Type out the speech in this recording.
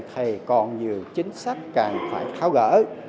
thì còn nhiều chính sách càng phải tháo gỡ